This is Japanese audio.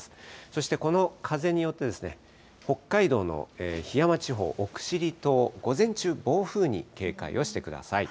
そしてこの風によって、北海道の桧山地方、奥尻島、午前中、暴風に警戒をしてください。